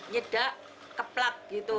nyedak keplak gitu